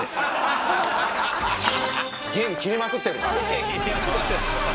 弦切れまくってるんだ。